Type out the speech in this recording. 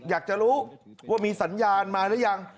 อยากจะรู้ว่ามีสัญญาณมาหรือยัง